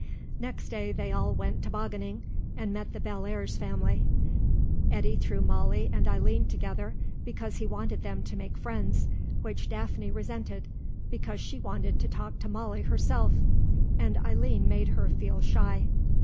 Next day they all went tobogganing, and met the Bellairs family. Eddy threw Molly and Eileen together, because he wanted them to make friends, which Daphne resented, because she wanted to talk to Molly herself, and Eileen made her feel shy.